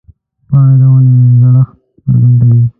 پاڼې د ونې زړښت څرګندوي.